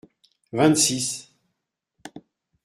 Vingt-six.